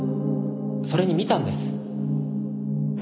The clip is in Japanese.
それに見たんです。